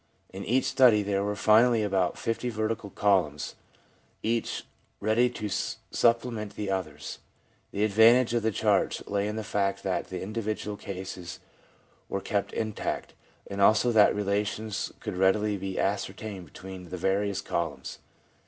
In each study there were finally about fifty vertical columns, each ready to supplement the others. The advantage of the charts lay in the fact that the individual cases were kept intact, and also that relations could readily be ascertained between the various columns.